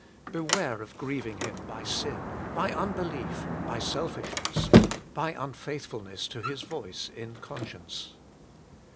Beware of grieving Him by sin, by unbelief, by selfishness, by unfaithfulness to His voice in conscience.